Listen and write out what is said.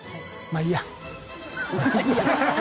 まあいいや。